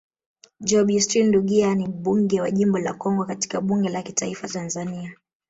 Job Yustino Ndugai ni mbunge wa jimbo la Kongwa katika bunge la kitaifa Tanzania